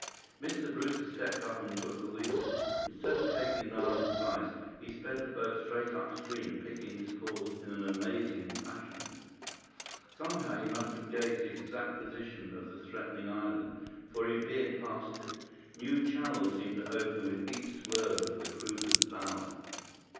Mr. Brewster stepped up and took the wheel. Instead of taking Nara's advice, he sped the boat straight upstream, picking his course in an amazing fashion. Somehow, he must have gauged the exact position of the threatening island, for he veered past it. New channels seemed to open with each swerve of the cruiser's bow.